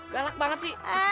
galak banget sih